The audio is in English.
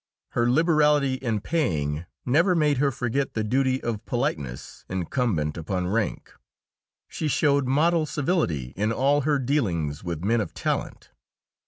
Her liberality in paying never made her forget the duty of politeness incumbent upon rank. She showed model civility in all her dealings with men of talent.